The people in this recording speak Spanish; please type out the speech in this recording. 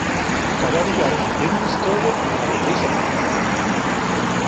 Cada lugar tiene una historia y una belleza particular.